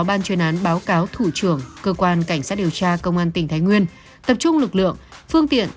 báo cáo thủ trưởng cơ quan cảnh sát điều tra công an tỉnh thái nguyên tập trung lực lượng phương tiện